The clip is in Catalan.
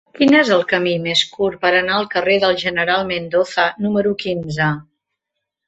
Quin és el camí més curt per anar al carrer del General Mendoza número quinze?